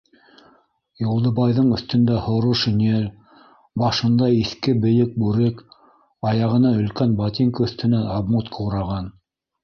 Юлдыбайҙың өҫтөндә һоро шинель, башында иҫке бейек бүрек, аяғына өлкән ботинка өҫтөнән обмотка ураған.